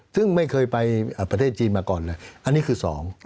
ซึ่งไม่เคยไปประเทศจีนมาก่อนเลยอันนี้คือสอง